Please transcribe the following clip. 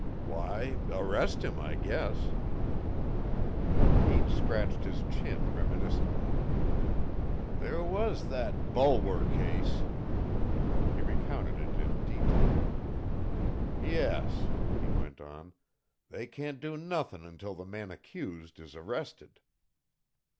"Why, arrest him, I guess." Pete scratched his chin reminiscently. "There was that Bulwer case." He recounted it in detail. "Yes," he went on, "they can't do nothin' until the man accused is arrested.